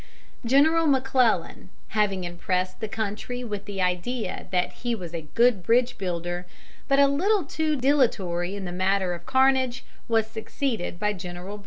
General McClellan, having impressed the country with the idea that he was a good bridge builder, but a little too dilatory in the matter of carnage, was succeeded by General Burnside.